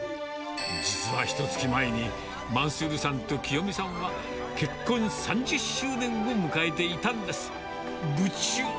実はひとつき前に、マンスールさんときよみさんは結婚３０周年を迎えていたんです。